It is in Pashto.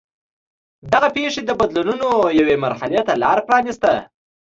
دغه پېښې د بدلونونو یوې مرحلې ته لار پرانېسته.